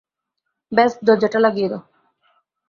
ব্যস দরজাটা লাগিয়ে দাও।